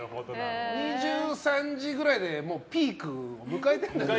２３時ぐらいでピークを迎えてるんですよね。